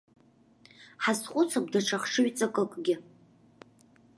Ҳазхәыцып даҽа хшыҩҵакыкгьы.